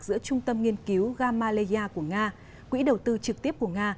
giữa trung tâm nghiên cứu gamaleya của nga quỹ đầu tư trực tiếp của nga